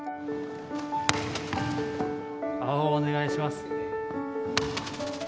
青お願いします。